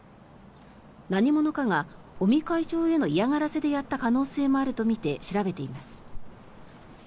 何者かが尾身会長への嫌がらせでやった可能性もあるとみて調べています。